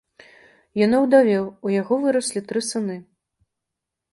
Ён аўдавеў, у яго выраслі тры сыны.